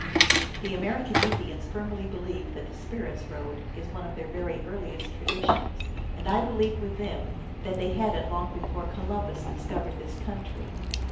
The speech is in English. The American Indians firmly believe that the Spirits Road is one of their very earliest traditions, and I believe with them that they had it long before Columbus discovered this country.